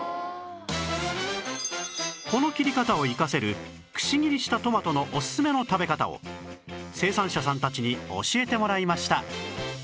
この切り方を生かせるくし切りしたトマトのオススメの食べ方を生産者さんたちに教えてもらいました